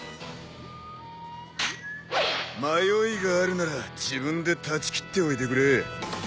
迷いがあるなら自分で断ち切っておいてくれ。